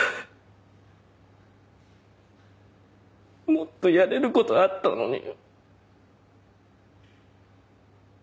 もっとやれることあったのに。